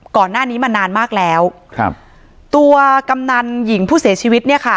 ก่อนหน้านี้มานานมากแล้วครับตัวกำนันหญิงผู้เสียชีวิตเนี่ยค่ะ